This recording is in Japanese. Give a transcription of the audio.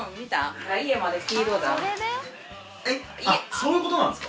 そういうことなんですか！？